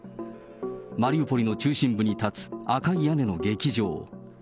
マリウポリの中心部に立つ赤い屋根の劇場。